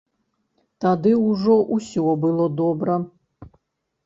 Тады ўжо ўсё было добра.